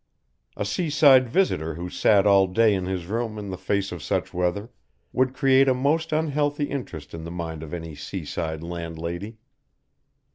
A sea side visitor who sat all day in his room in the face of such weather, would create a most unhealthy interest in the mind of any sea side landlady.